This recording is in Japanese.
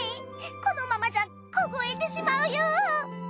このままじゃ凍えてしまうよ。